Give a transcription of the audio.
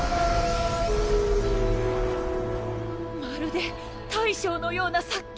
まるで大将のような殺気！